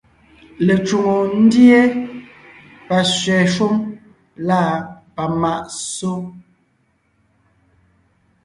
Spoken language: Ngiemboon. Lecwòŋo ndíe, pasẅɛ̀ shúm lâ pamàʼ ssó;